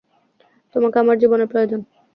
তোমাকে আমার জীবনে প্রয়োজন।